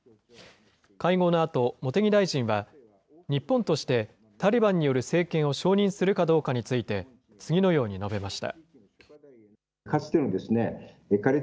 会合のあと、茂木大臣は、日本としてタリバンによる政権を承認するかどうかについて、次のように述べました。